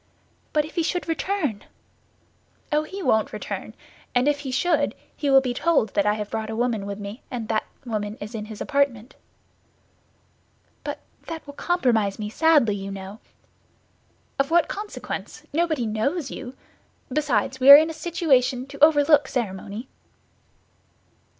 "But if he should return?" "Oh, he won't return; and if he should, he will be told that I have brought a woman with me, and that woman is in his apartment." "But that will compromise me sadly, you know." "Of what consequence? Nobody knows you. Besides, we are in a situation to overlook ceremony."